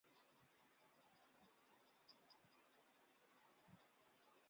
同时也培养了一批检疫技术干部。